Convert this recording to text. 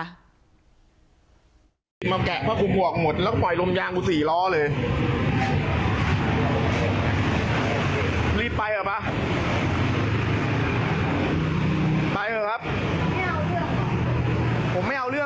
ไปรู้อ่ะแต่ว่าคุณมาทำอย่างงี้มันไม่ถูก